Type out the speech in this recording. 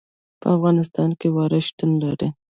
په افغانستان کې واوره شتون لري.